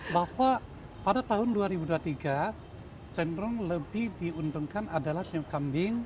bahwa pada tahun dua ribu dua puluh tiga cenderung lebih diuntungkan adalah siup kambing